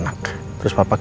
pak pak pak